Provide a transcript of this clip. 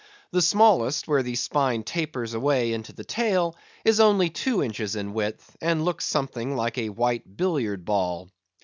The smallest, where the spine tapers away into the tail, is only two inches in width, and looks something like a white billiard ball.